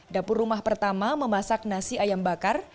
dapur rumah pertama memasak nasi ayam bakar